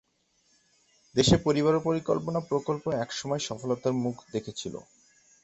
দেশে পরিবার পরিকল্পনা প্রকল্প একসময় সফলতার মুখ দেখেছিল।